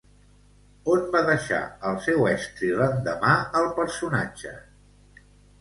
On va deixar el seu estri l'endemà el personatge?